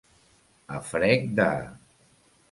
A frec de.